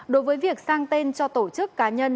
đối với việc sang tên cho tổ chức cá nhân